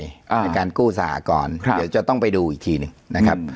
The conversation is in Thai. ในการกู้สหกรณ์เดี๋ยวจะต้องไปดูอีกทีหนึ่งนะครับ